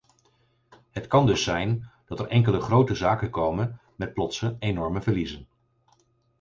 Het kan dus zijn dat er enkele grote zaken komen met plotse enorme verliezen.